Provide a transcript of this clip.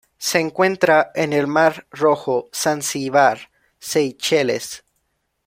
Se encuentra en el Mar Rojo, Zanzíbar y Seychelles.